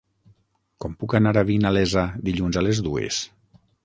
Com puc anar a Vinalesa dilluns a les dues?